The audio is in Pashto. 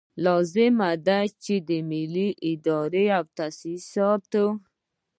لازمه ده چې ملي ادارې او تاسیسات.